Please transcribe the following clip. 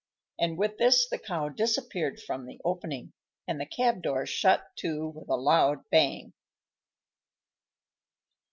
And with this the Cow disappeared from the opening, and the cab door shut to with a loud bang.